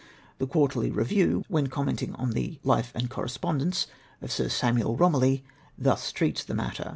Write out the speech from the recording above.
The Quarterly Review, when comment ing on the " Life and Correspondence " of Sir Samuel Eomilly, thus treats the matter (No.